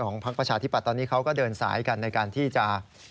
พักประชาธิบัตย์ตอนนี้เขาก็เดินสายกันในการที่จะ